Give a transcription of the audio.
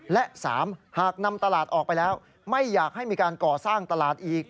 และ๓หากนำตลาดออกไปแล้วไม่อยากให้มีการก่อสร้างตลาดอีก